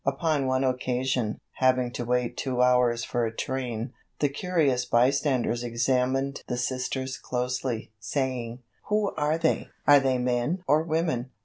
Upon one occasion, having to wait two hours for a train, the curious bystanders examined the Sisters closely, saying: "Who are they?" "Are they men or women?"